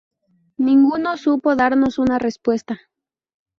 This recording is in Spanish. Ninguno supo darnos una respuesta.